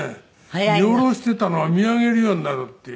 見下ろしていたのが見上げるようになるっていう。